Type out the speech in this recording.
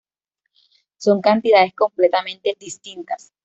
Son cantidades completamente distintas.